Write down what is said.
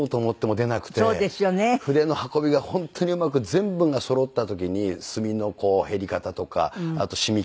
筆の運びが本当にうまく全部がそろった時に墨の減り方とかあと染み方とか。